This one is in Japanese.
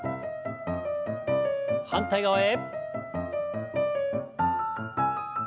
反対側へ。